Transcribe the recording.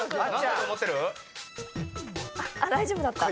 あっ大丈夫だった。